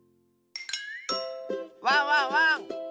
ワンワンワン！